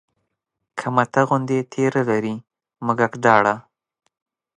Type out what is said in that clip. که مته غوندې تېره لري مږک داړه